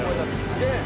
「すげえ！」